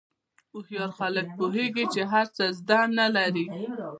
هوښیار خلک پوهېږي چې هر څه زده نه لري.